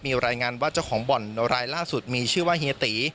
มีรายงานว่าเจ้าของบ่อนรายล่าสุดมีชื่อว่าเฮียตี